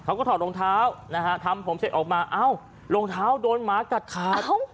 เขาก็ถอดรองเท้าทำผมเสร็จออกมารองเท้าโดนหมากัดขาด